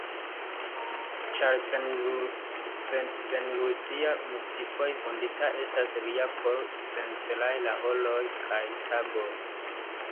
Ĉar seniluzia, multfoje vundita estas lia koro, sencelaj la horoj kaj tagoj.